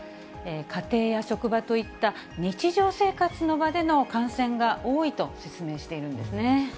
家庭や職場といった日常生活の場での感染が多いと説明しているんですね。